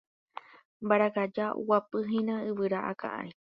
Mbarakaja oguapyhína yvyra akã ári.